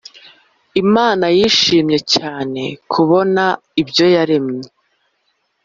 imana yishimye cyane kubona ibyo yaremye;